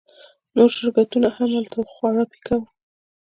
نور شرکتونه هم هلته وو خو خورا پیکه وو